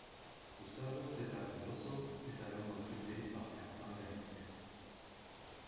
Gustavo César Veloso est alors recruté par Karpin Galicia.